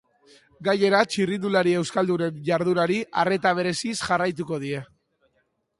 Gainera, txirrindulari euskaldunen jardunari arreta bereziz jarraituko die.